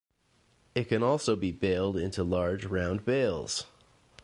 It can also be baled into large round bales.